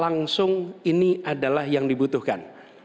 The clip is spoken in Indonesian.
langsung ini adalah yang dibutuhkan